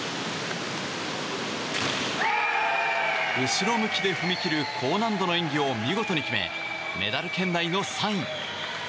後ろ向きで踏み切る高難度の演技を見事に決めメダル圏内の３位。